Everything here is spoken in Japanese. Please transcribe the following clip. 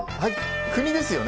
国ですよね？